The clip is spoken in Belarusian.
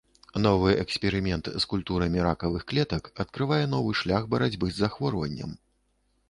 Новы эксперымент з культурамі ракавых клетак адкрывае новы шлях барацьбы з захворваннем.